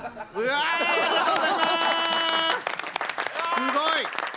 すごい！